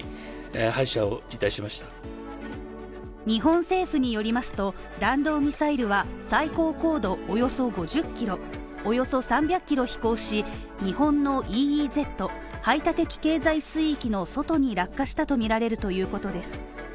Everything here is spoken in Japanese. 日本政府によりますと、弾道ミサイルは最高高度およそ５０キロおよそ３００キロ飛行し、日本のＥＥＺ＝排他的経済水域の外に落下したとみられるということです